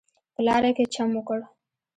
په لاره کې چم وکړ.